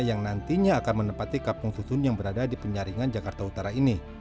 yang nantinya akan menempati kampung susun yang berada di penyaringan jakarta utara ini